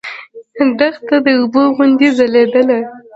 دښته د اوبو غوندې ځلېدله.